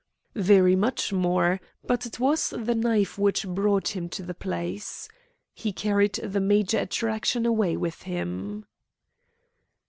"Very much more, but it was the knife which brought him to the place. He carried the major attraction away with him."